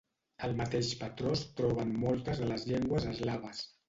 El mateix patró es troba en moltes de les llengües eslaves.